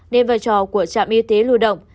nên vai trò của trạm y tế lưu động